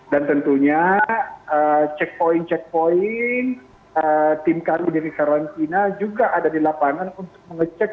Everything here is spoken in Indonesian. dan tentunya checkpoint checkpoint tim kami dari karantina juga ada di lapangan untuk mengecek